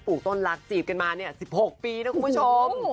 ลูกต้นรักจีบกันมา๑๖ปีนะคุณผู้ชม